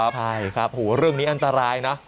ใช่ครับเรื่องนี้อันตรายนะ